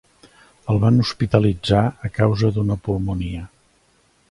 El van hospitalitzar a causa d'una pulmonia.